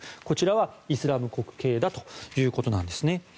こちらはイスラム国系だということですね。